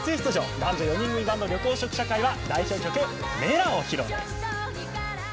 男女４人組バンド、緑黄色社会は代表曲「Ｍｅｌａ！」を披露です。